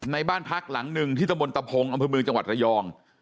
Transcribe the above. บ้านพักหลังหนึ่งที่ตะมนตะพงอำเภอเมืองจังหวัดระยอง